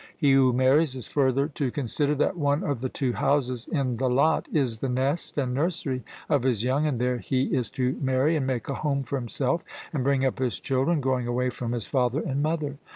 He who marries is further to consider, that one of the two houses in the lot is the nest and nursery of his young, and there he is to marry and make a home for himself and bring up his children, going away from his father and mother.